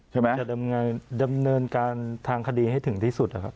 ใช่ไหมครับจะดำเนินการทางคดีให้ถึงที่สุด